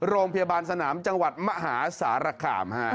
โรงพยาบาลสนามจังหวัดมหาสารคาม